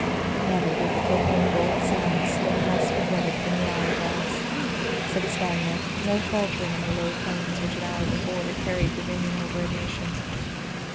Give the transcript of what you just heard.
"Never did the purple and gold sands slip less regretted from the hour glass," said Stanief, no faltering in the low tones which an hour before had carried dominion over a nation.